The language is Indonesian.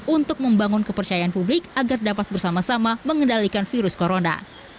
untuk membangun kepercayaan publik agar dapat bersama sama mengendalikan virus corona